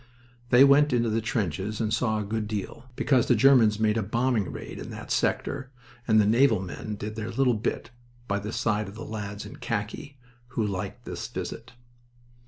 They went into the trenches and saw a good deal, because the Germans made a bombing raid in that sector and the naval men did their little bit by the side of the lads in khaki, who liked this visit.